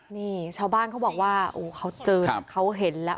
นี่ชาวบ้านเขาบอกว่าโอ้เขาเจอเขาเห็นแล้ว